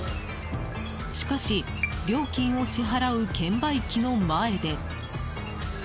しかし、料金を支払う券売機の前で。